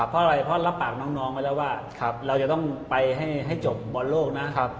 เพราะอะไรเพราะรับปากน้องไว้แล้วว่าเราจะต้องไปให้จบบอลโลกนะ